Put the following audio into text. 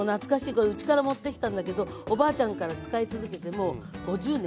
これうちから持って来たんだけどおばあちゃんから使い続けてもう５０年。